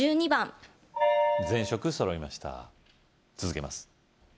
続けます